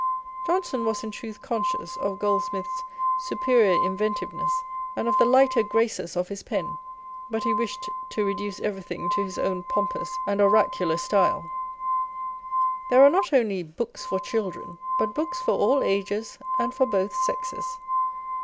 Johnson was in truth conscious of Goldsmith's superior inventiveness, and of the lighter graces of his pen, but he wished to reduce everything to his own pom pous and oracular style. There are not only books for children, but books for all ages and for both sexes.